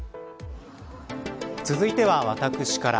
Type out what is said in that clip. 続いては私から。